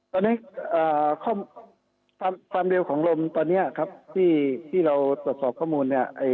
ตอนนี้ความเร็วของลมตอนนี้ครับที่เราตรวจสอบข้อมูลเนี่ย